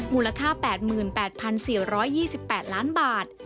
มูลค่า๘๘๔๒๘ล้านบาท